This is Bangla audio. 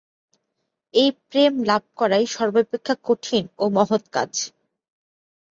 এই প্রেম লাভ করাই সর্বাপেক্ষা কঠিন ও মহৎ কাজ।